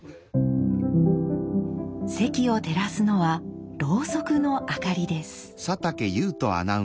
席を照らすのはろうそくの明かりです。